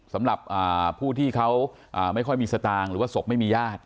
สำหรับผู้ที่เขาไม่ค่อยมีสตางค์หรือว่าศพไม่มีญาติ